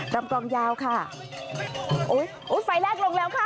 รำกองยาวค่ะโอ้ยไฟแรกลงแล้วค่ะ